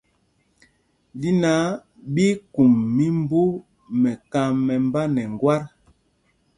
Ɗí náǎ ɓí í kum mimbú mɛkam mɛmbá nɛ ŋgwát ê.